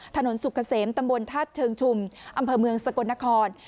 ถนนสุขเสมตำบลทัศน์เชิงชุมอำเภอเมืองสกลนคร